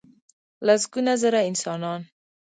لسګونه زره انسانان .